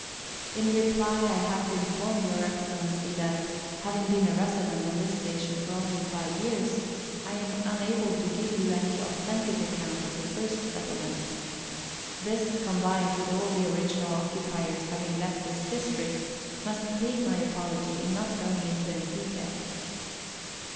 In reply I have to inform Your Excellency that, having been a resident on this station for only five years, I am unable to give you any authentic account of the first settlement. This, combined with all the original occupiers having left this district, must plead my apology in not going into any detail.